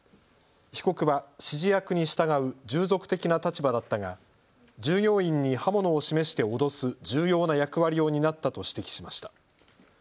被告は指示役に従う従属的な立場だったが従業員に刃物を示して脅す重要な役割を担ったと指摘しました。